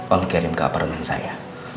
uang kirim ke apartemen saya